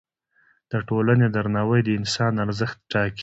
د ټولنې درناوی د انسان ارزښت ټاکه.